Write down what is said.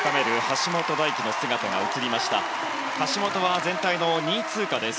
橋本は全体の２位通過です。